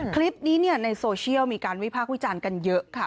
คลิปนี้ในโซเชียลมีการวิพากษ์วิจารณ์กันเยอะค่ะ